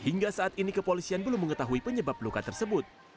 hingga saat ini kepolisian belum mengetahui penyebab luka tersebut